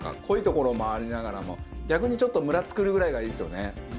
濃いところもありながらも逆にちょっとムラ作るぐらいがいいですよね。